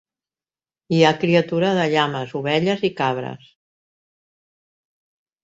Hi ha criatura de llames, ovelles i cabres.